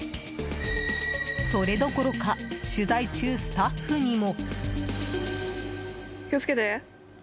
それどころか取材中、スタッフにも。